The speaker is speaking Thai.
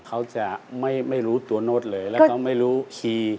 เขาจะไม่รู้ตัวโน้ตเลยแล้วก็ไม่รู้คีย์